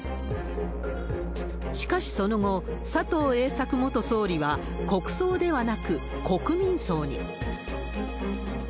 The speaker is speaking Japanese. しかし、その後、佐藤栄作元総理は、国葬ではなく、国民葬に。